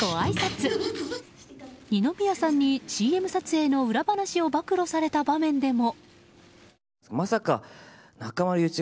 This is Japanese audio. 二宮さんにＣＭ撮影の裏話を暴露された場面でも。